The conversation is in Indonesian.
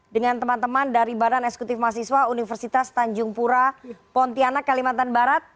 dengan teman teman dari badan eksekutif mahasiswa universitas tanjung pura pontianak kalimantan barat